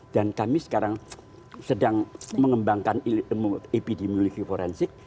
dan kami sekarang sedang mengembangkan epidemiologi forensik